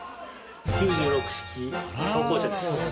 ９６式装甲車です。